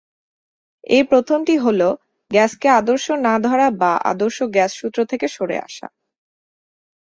এর প্রথমটি হল, গ্যাসকে আদর্শ না ধরা বা আদর্শ গ্যাস সূত্র থেকে সরে আসা।